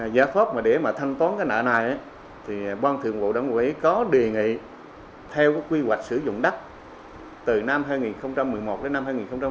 giá phóp để mà thanh toán cái nợ này thì ban thượng vụ đảng quỹ có đề nghị theo quy hoạch sử dụng đắt từ năm hai nghìn một mươi một đến năm hai nghìn hai mươi